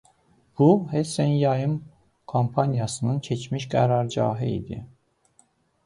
Bu Hessen Yayım kompaniyasının keçmiş qərargahı idi.